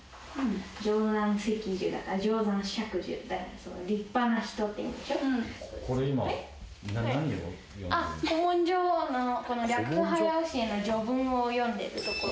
ちなみにあっ古文書のこの『略画早指南』の序文を読んでるところ。